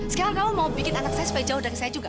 sekarang kamu mau bikin anak saya supaya jauh dari saya juga